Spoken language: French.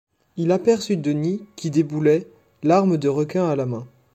Il aperçut Denis qui déboulait, l’arme de Requin à la main.